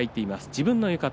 自分の浴衣